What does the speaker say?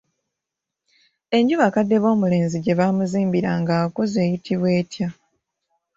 Enju bakadde b'omulenzi gye bamuzimbira ng'akuze eyitibwa etya?